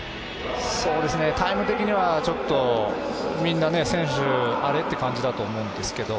タイム的にはみんな選手あれって感じだと思うんですけど。